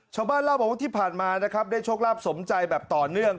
ชาวบ้านเล่าบอกว่าที่ผ่านมานะครับได้โชคลาภสมใจแบบต่อเนื่อง